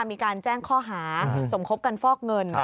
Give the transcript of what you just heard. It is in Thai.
มีการแจ้งข้อหาสมคบกันฟอกเงิน